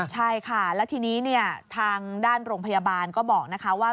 ใช่ค่ะแล้วทีนี้ทางด้านโรงพยาบาลก็บอกนะคะว่า